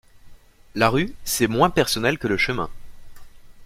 La rue c’est moins personnel que le chemin.